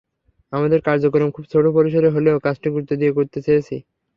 আমাদের কার্যক্রম খুব ছোট পরিসরে হলেও, কাজটি গুরুত্ব দিয়ে করতে চেয়েছি।